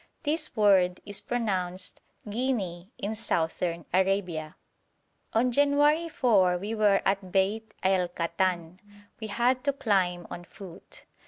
This word is pronounced ghinni in Southern Arabia. On January 4 we were at Beit el Khatan. We had to climb on foot.